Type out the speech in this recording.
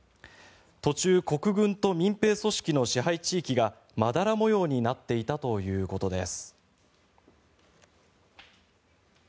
途中国軍と民兵組織の支配地域がまだら模様になっていたということです。